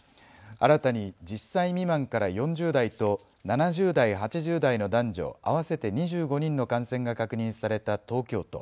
新たに１０歳未満から４０代と７０代、８０代の男女合わせて２５人の感染が確認された東京都。